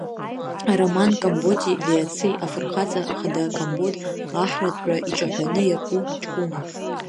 Ароман Камботи Лиацеи афырхаҵа хада Камбот аҳратәра иҿаҳәаны иаку ҷкәыноуп.